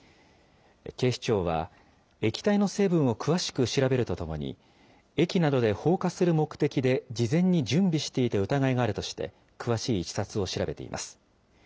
警視庁は、液体の成分を詳しく調べるとともに、駅などで放火する目的で事前に準備していた疑いがあるとして、詳しいいきさつを調べています。